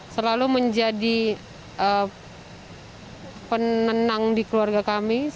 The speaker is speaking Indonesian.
selalu menjadi penenang di keluarga kami